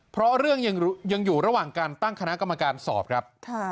เพราะเรื่องยังอยู่ระหว่างการตั้งคณะกรรมการสอบครับ